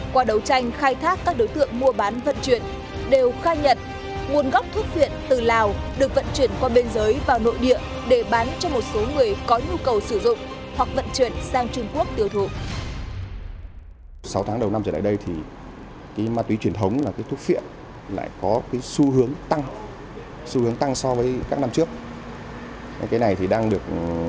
qua đấu tranh khai thác các đối tượng mua bán vận chuyển đều khai nhận nguồn gốc thuốc viện từ lào được vận chuyển qua bên giới vào nội địa để bán cho một số người có nhu cầu sử dụng hoặc vận chuyển sang trung quốc